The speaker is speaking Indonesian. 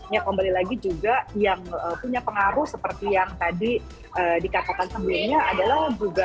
ya kembali lagi juga yang punya pengaruh seperti yang tadi dikatakan sebelumnya adalah juga